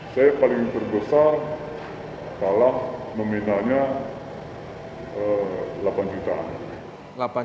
saya paling terbesar kalah meminanya delapan jutaan